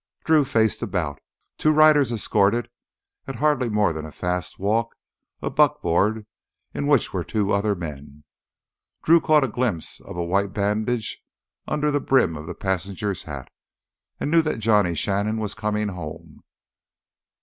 Drew faced about. Two riders escorted at hardly more than a fast walk a buckboard in which were two other men. Drew caught a glimpse of a white bandage under the brim of the passenger's hat and knew that Johnny Shannon was coming home.